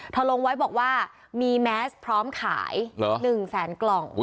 ลงไว้บอกว่ามีแมสพร้อมขาย๑แสนกล่อง